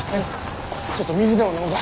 ちょっと水でも飲もか。